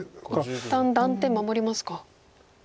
一旦断点守りますか。